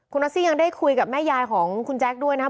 คุณนอสซี่ยังได้คุยกับแม่ยายของคุณแจ๊คด้วยนะครับ